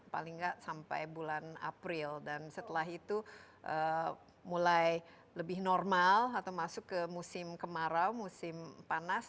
paling nggak sampai bulan april dan setelah itu mulai lebih normal atau masuk ke musim kemarau musim panas